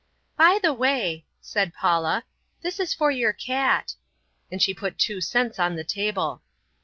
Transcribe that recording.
"By the way," said Paula, "this is for your cat" and she put two cents on the table.